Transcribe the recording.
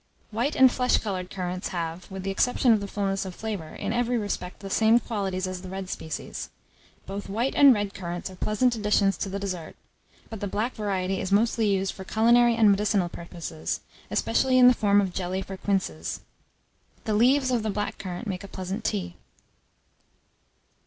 White and flesh coloured currants have, with the exception of the fullness of flavour, in every respect, the same qualities as the red species. Both white and red currants are pleasant additions to the dessert, but the black variety is mostly used for culinary and medicinal purposes, especially in the form of jelly for quinsies. The leaves of the black currant make a pleasant tea.